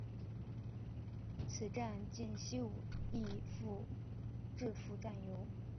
此站近西武秩父站有。